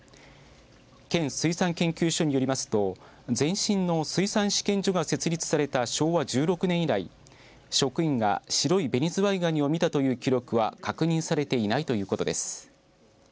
県水産研究所によりますと前身の水産試験所が設立された昭和１６年以来職員が白いベニズワイガニを見たという記録は確認されていないということです。